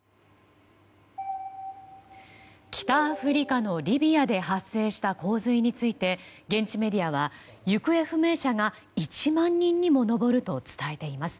北アフリカのリビアで発生した洪水について現地メディアは行方不明者が１万人にも上ると伝えています。